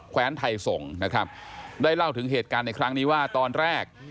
แว้นไทยส่งนะครับได้เล่าถึงเหตุการณ์ในครั้งนี้ว่าตอนแรก